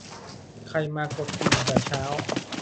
ใครมากดกริ่งแต่เช้า